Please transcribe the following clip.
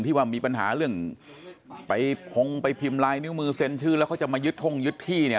ว่ามีปัญหาเรื่องไปพงไปพิมพ์ลายนิ้วมือเซ็นชื่อแล้วเขาจะมายึดท่งยึดที่เนี่ย